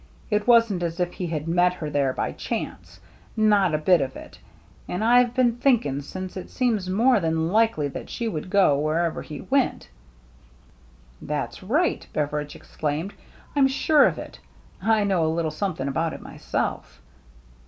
It wasn't as if he had met her there by chance, not a bit 28o THE MERRT ANNE of it. And IVe been thinking since, it seems more than likely that she would go wher ever he went." " That's right !" Beveridge exclaimed. " I'm sure of it. I know a little some thing about it myself."